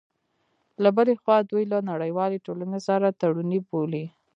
له بلې خوا، دوی له نړیوالې ټولنې سره تړوني بولي